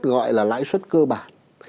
gọi là lãi suất cơ bản